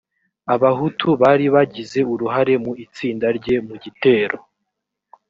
abahutu bari bagize uruhare mu itsindwa rye mu gitero